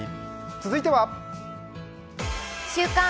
続いては？